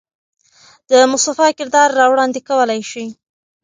د مصطفى کردار را وړاندې کولے شي.